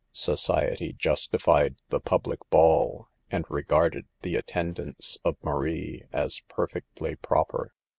Society justified the public ball, and regarded the attendance of Marie as per fectly proper.